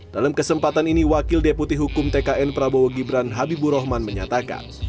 dalam kesempatan ini wakil deputi hukum tkn prabowo gibran habibur rahman menyatakan